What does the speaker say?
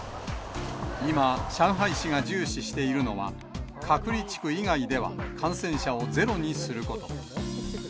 今、上海市が重視しているのは、隔離地区以外では、感染者をゼロにすること。